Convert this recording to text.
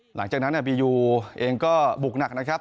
หลังจากนั้นบียูเองก็บุกหนักนะครับ